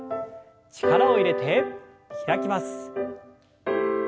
力を入れて開きます。